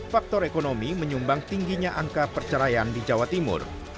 faktor ekonomi menyumbang tingginya angka perceraian di jawa timur